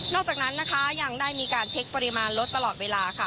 อกจากนั้นนะคะยังได้มีการเช็คปริมาณรถตลอดเวลาค่ะ